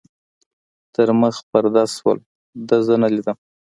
تر منځ پرده شول، ده زه نه لیدم.